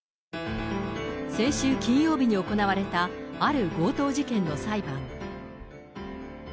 先週金曜日に行われた、ある強盗事件の裁判。